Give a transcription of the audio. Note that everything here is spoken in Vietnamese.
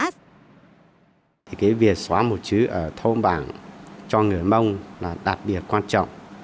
chớ ảp báo nói việc xóa mùa chữ ở thôn bản cho người mông là đặc biệt quan trọng